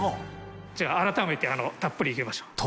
じゃあ改めてたっぷりいきましょう。